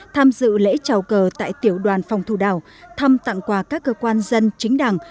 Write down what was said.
tham dự lễ trào cờ tại tiểu đoàn phòng thù đảo thăm tặng quà các cơ quan dân chính đảng